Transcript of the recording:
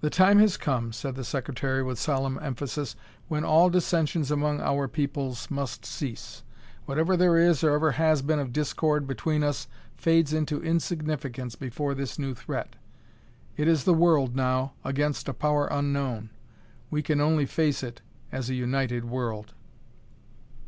"The time has come," said the Secretary with solemn emphasis, "when all dissensions among our peoples must cease. Whatever there is or ever has been of discord between us fades into insignificance before this new threat. It is the world, now, against a power unknown; we can only face it as a united world.